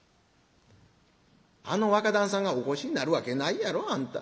あの若旦さんがお越しになるわけないやろあんた。